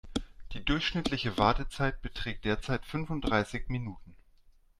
Die durchschnittliche Wartezeit beträgt derzeit fünfunddreißig Minuten.